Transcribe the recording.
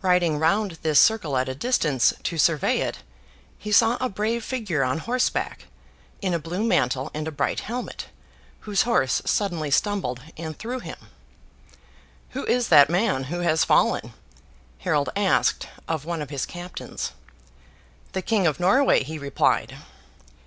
Riding round this circle at a distance, to survey it, he saw a brave figure on horseback, in a blue mantle and a bright helmet, whose horse suddenly stumbled and threw him. 'Who is that man who has fallen?' Harold asked of one of his captains. 'The King of Norway,' he replied.